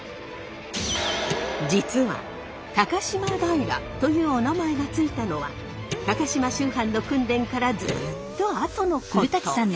実は高島平というおなまえがついたのは高島秋帆の訓練からずっと後のこと。